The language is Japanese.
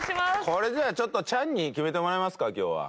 これじゃあちょっとチャンに決めてもらいますか今日は。